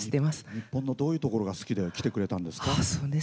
日本のどういうところが好きで、来てくれたんですか？